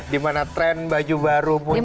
di mana tren baju baru muncul lebih cepat